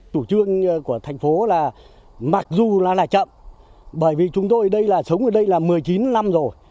tủ trương của thành phố là mặc dù là chậm bởi vì chúng tôi sống ở đây là một mươi chín năm rồi